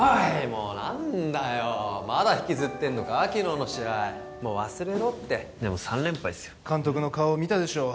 もう何だよまだ引きずってんのか昨日の試合もう忘れろってでも３連敗っすよ監督の顔見たでしょ